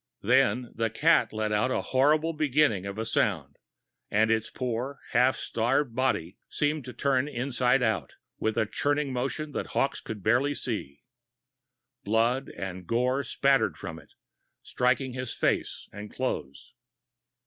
Then the cat let out a horrible beginning of a sound, and its poor, half starved body seemed to turn inside out, with a churning motion that Hawkes could barely see. Blood and gore spattered from it, striking his face and clothes.